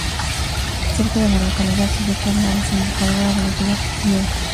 Cerca de la localidad se ubica la desembocadura del río Jiu.